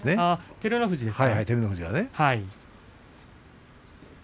照ノ富士ですね。